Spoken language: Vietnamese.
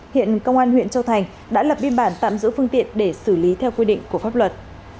hiện công an huyện châu thành đã lập biên bản tạm giữ phương tiện để xử lý theo quy định của pháp luật